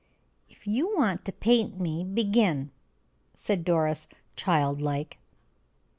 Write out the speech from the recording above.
"If you want to paint me, begin!" said Doris, child like.